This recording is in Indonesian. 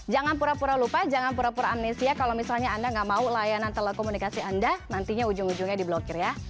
jangan pura pura lupa jangan pura pura amnesia kalau misalnya anda nggak mau layanan telekomunikasi anda nantinya ujung ujungnya diblokir ya